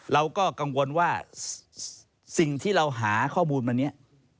เราก็กังวลว่าสิ่งที่เราหาข้อมูลมาเนี่ย